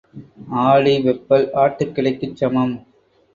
ஆடி வெப்பல் ஆட்டுக் கிடைக்குச் சமம்.